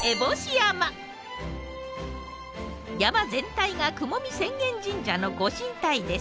山全体が雲見浅間神社の御神体です。